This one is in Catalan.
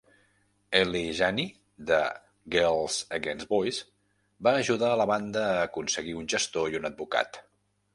Eli Janney de Girls Against Boys va ajudar la banda a aconseguir un gestor i un advocat.